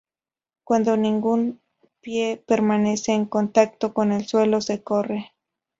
Cuando ningún pie permanece en contacto con el suelo, se corre.